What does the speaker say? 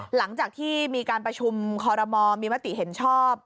หลังจากที่มีการประชุมคอรมอลมีมติเห็นชอบ